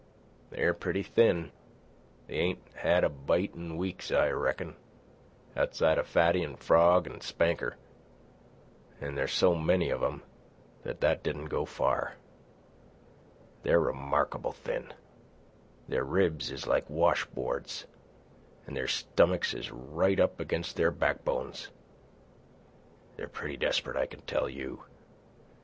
They're pretty thin. They ain't had a bite in weeks I reckon, outside of Fatty an' Frog an' Spanker; an' there's so many of 'em that that didn't go far. They're remarkable thin. Their ribs is like wash boards, an' their stomachs is right up against their backbones. They're pretty desperate, I can tell you.